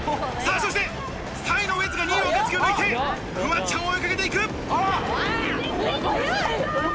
そして３位のウエンツが２位の若槻を抜いて、フワちゃんを追いかけていく！